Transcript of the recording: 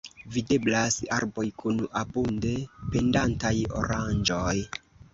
Videblas arboj kun abunde pendantaj oranĝoj.